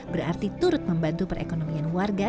berarti turut membantu perekonomian warga